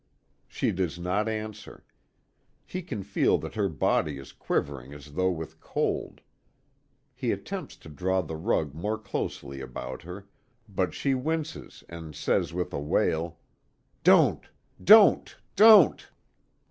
She does not answer. He can feel that her body is quivering as though with cold. He attempts to draw the rug more closely about her, but she winces and says with a wail: "Don't, don't, don't!"